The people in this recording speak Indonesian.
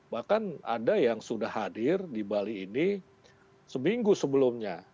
bahkan ada yang sudah hadir di bali ini seminggu sebelumnya